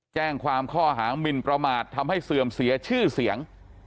แจ้งความข้อหามินประมาททำให้เสื่อมเสียชื่อเสียง